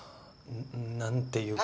何ていうか。